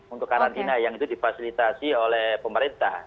untuk karantina yang itu difasilitasi oleh pemerintah